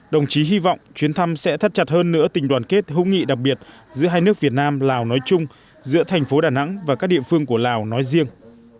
đồng chí hy vọng chuyến thăm sẽ thắt chặt hơn nữa tình đoàn kết hữu nghị đặc biệt giữa hai nước việt nam lào nói chung giữa thành phố đà nẵng và các địa phương của lào nói riêng